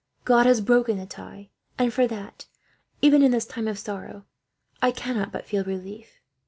God has broken the tie, and for that, even in this time of sorrow, I cannot but feel relief."